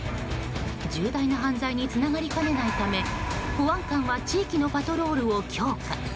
重大な犯罪につながりかねないため保安官は地域のパトロールを強化。